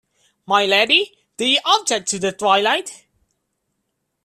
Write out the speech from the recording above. My Lady, do you object to the twilight?